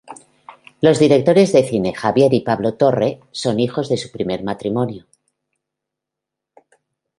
Los directores de cine Javier y Pablo Torre son hijos de su primer matrimonio.